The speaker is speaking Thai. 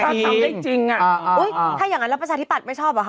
ถ้าทำได้จริงถ้าอย่างนั้นแล้วประชาธิปัตยไม่ชอบเหรอคะ